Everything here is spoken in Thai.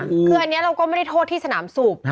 คืออันนี้เราก็ไม่ได้โทษที่สนามสูบ